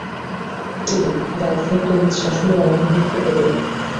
তিনি দারফুরকে নিজ শাসনের আওতাভুক্ত করেন।